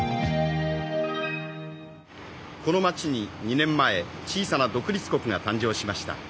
「この町に２年前小さな独立国が誕生しました。